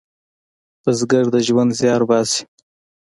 بزګر د ژوند زیار باسي